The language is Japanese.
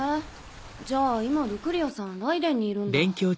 じゃあ今ルクリアさんライデンにいるんだ。